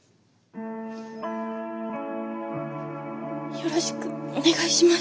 よろしくお願いします。